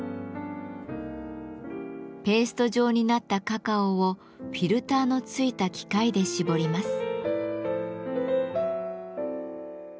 ペースト状になったカカオをフィルターのついた機械でしぼります。